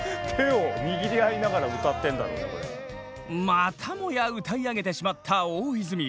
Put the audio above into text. またもや歌い上げてしまった大泉。